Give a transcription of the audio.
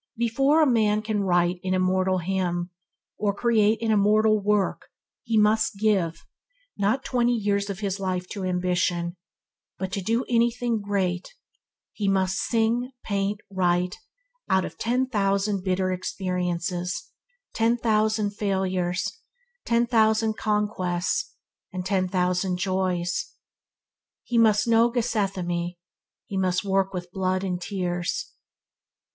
Before a man can writer an immortal hymn, or create any immortal work he must give, not twenty years of his life to ambition but his can do anything great, and must sing, paint, write, out of ten thousand bitter experiences, ten thousand failures, ten thousand conquests, ten thousand joys. He must know Gethsemane; he must work with blood and tears.